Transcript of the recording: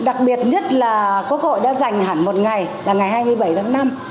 đặc biệt nhất là quốc hội đã dành hẳn một ngày là ngày hai mươi bảy tháng năm